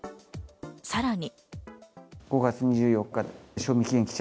さらに。